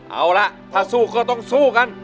เอาล่ะถ้าสู้ก็ต้องสู้กัน